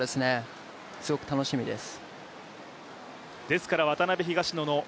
すごく楽しみです。